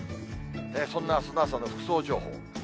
そんなあすの朝の服装情報。